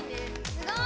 すごい！